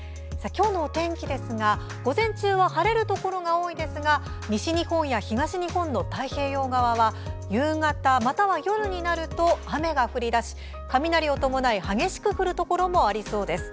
今日のお天気ですが午前中は晴れるところが多く西日本や東日本の太平洋側は夕方、または夜になると雨が降りだし、雷を伴い激しく降るところもありそうです。